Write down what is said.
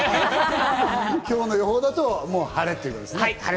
今日の予報だと晴れということですね。